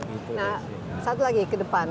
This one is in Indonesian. nah satu lagi ke depan